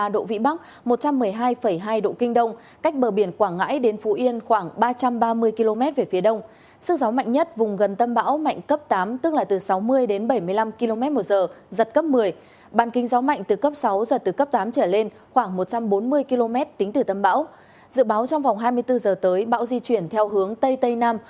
dự báo trong vòng hai mươi bốn h tới bão di chuyển theo hướng tây tây nam